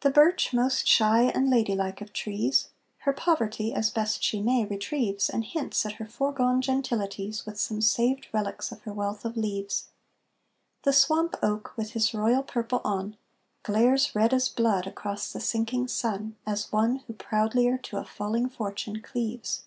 The birch, most shy and lady like of trees, Her poverty, as best she may, retrieves, And hints at her foregone gentilities With some saved relics of her wealth of leaves; The swamp oak, with his royal purple on, Glares red as blood across the sinking sun, As one who proudlier to a falling fortune cleaves.